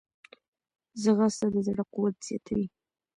ځغاسته د زړه قوت زیاتوي